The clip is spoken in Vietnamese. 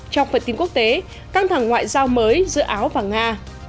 trong phần tin quốc tế căng thẳng ngoại giao mới giữa áo và nga